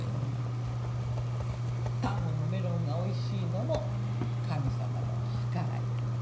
丹後のメロンが美味しいのも神様のはからい。